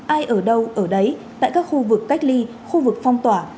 ai ở đâu ở đấy tại các khu vực cách ly khu vực phong tỏa